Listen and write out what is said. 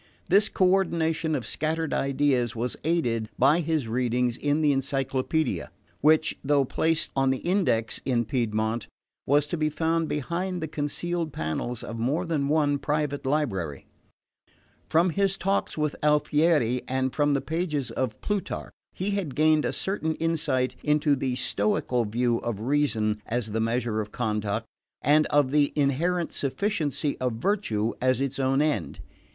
This coordination of scattered ideas was aided by his readings in the Encyclopaedia, which, though placed on the Index in Piedmont, was to be found behind the concealed panels of more than one private library. From his talks with Alfieri, and from the pages of Plutarch, he had gained a certain insight into the Stoical view of reason as the measure of conduct, and of the inherent sufficiency of virtue as its own end.